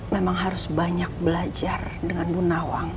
memang harus banyak belajar dengan ibu nawang